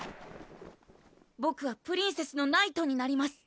ボクはプリンセスのナイトになります